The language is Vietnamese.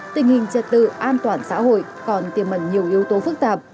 tình hình trật tự an toàn xã hội còn tiềm mẩn nhiều yếu tố phức tạp